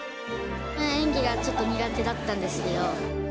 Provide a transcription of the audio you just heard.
演技がちょっと苦手だったんですけど。